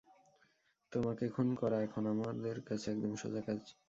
তোমাকে খুন করা এখন আমাদের কাছে একদম সোজা কাজ।